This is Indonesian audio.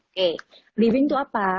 oke living itu apa